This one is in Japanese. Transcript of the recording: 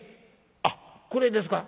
あっこれですか？